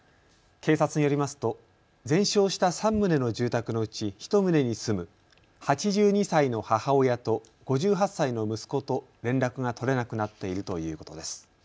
警察によりますと全焼した３棟の住宅のうち１棟に住む８２歳の母親と５８歳の息子と連絡が取れなくなっているということです。